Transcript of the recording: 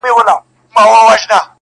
تاته سوغات د زلفو تار لېږم باڼه ،نه کيږي